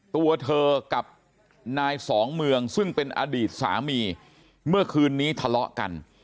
ตัวเธอกับนายสองเมืองซึ่งเป็นอดีตสามีเมื่อคืนนี้ทะเลาะกัน